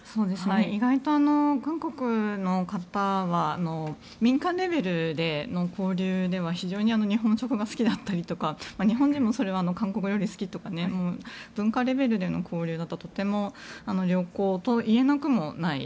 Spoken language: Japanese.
意外と韓国の方は民間レベルでの交流では非常に日本食が好きだったりとか日本人も、韓国料理が好きとかね文化レベルでの交流ならとても良好といえなくもない。